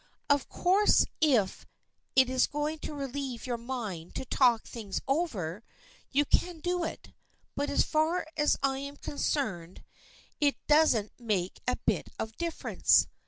Of course if it is going to relieve your mind to talk things over, you can do it, but as far as I am concerned it THE FRIENDSHIP OF ANNE 115 doesn't make a bit of difference.